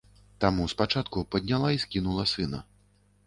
Таму спачатку падняла і скінула сына.